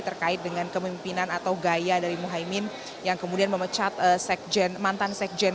terkait dengan kemimpinan atau gaya dari muhaymin yang kemudian memecat mantan sekjen